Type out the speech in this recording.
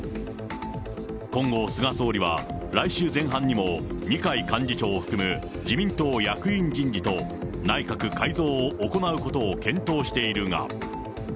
今後、菅総理は来週前半にも二階幹事長を含む自民党役員人事と、内閣改造を行うことを検討しているが。